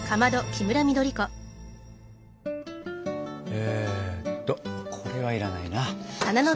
えっとこれは要らないな。